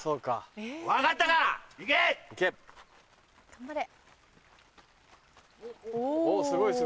頑張れ。